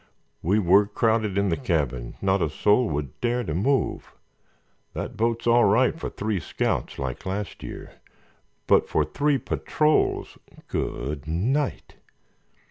"We were crowded in the cabin, not a soul would dare to move. That boat is all right for three scouts like last year, but for three patrols—go o d night!